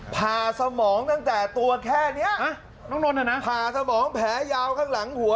ผ่าสมองตั้งแต่ตัวแค่นี้ผ่าสมองแผลยาวพันธุ์หลังหัว